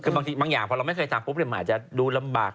คือบางทีบางอย่างพอเราไม่เคยทำปุ๊บมันอาจจะดูลำบาก